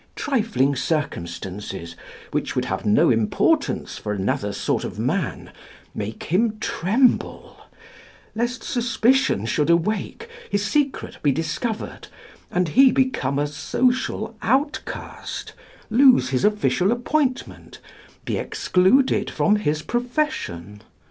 Trifling circumstances, which would have no importance for another sort of man, make him tremble: lest suspicion should awake, his secret be discovered, and he become a social outcast, lose his official appointment, be excluded from his profession.